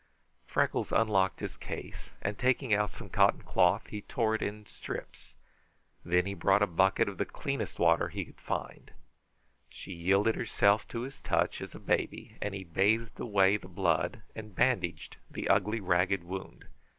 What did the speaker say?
Freckles unlocked his case, and taking out some cotton cloth, he tore it in strips. Then he brought a bucket of the cleanest water he could find. She yielded herself to his touch as a baby, and he bathed away the blood and bandaged the ugly, ragged wound.